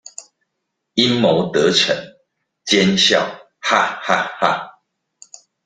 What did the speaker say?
陰謀得逞，奸笑哈哈哈